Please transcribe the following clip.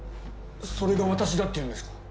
それが私だっていうんですか？